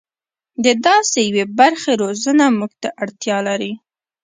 د داسې یوې برخې روزنه موږ ته اړتیا لري.